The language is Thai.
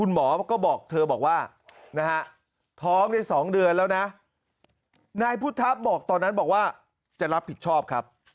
นะนายพุทธภาพบอกตอนนั้นบอกว่าจะรับผิดชอบครับ